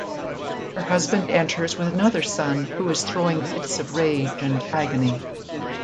Her husband enters with another son who is throwing fits of rage and agony.